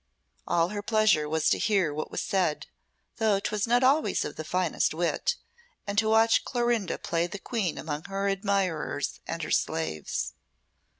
All her pleasure was to hear what was said, though 'twas not always of the finest wit and to watch Clorinda play the queen among her admirers and her slaves.